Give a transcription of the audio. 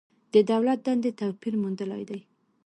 د دولت دندې توپیر موندلی دی.